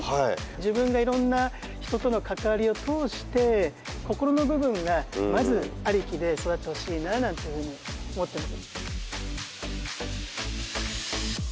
自分がいろんな人との関わりを通して心の部分がまずありきで育ってほしいななんて思っております。